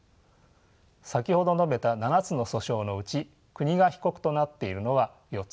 先ほど述べた７つの訴訟のうち国が被告となっているのは４つです。